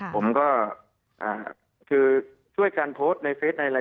ผมก็คือช่วยกันโพสต์ในเฟสในอะไร